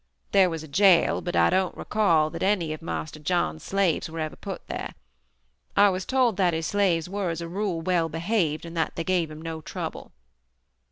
There was a jail, but I don't recall that any of Marse John's slaves were ever put in there. I was told that his slaves were, as a rule, well behaved and that they gave him no trouble.